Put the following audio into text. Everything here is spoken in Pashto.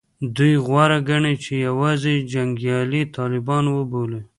دوی غوره ګڼي چې یوازې جنګیالي طالبان وبولي